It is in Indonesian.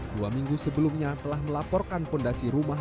dua minggu sebelumnya telah melaporkan fondasi rumah